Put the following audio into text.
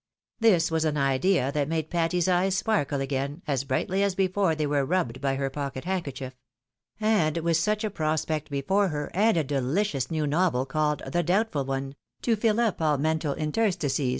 This was an idea that made Patty's eyes sparkle again, as brightly as before they were rubbed by her pocket handkerchief ; and with such a prospect before her, and a dehcious new novel, called " The Doubtful One," to fill up all mental interstices, 218 THE ■WIDOW MAEEIBD.